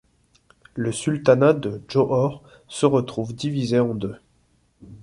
Le sultanat de Johor se retrouve divisé en deux.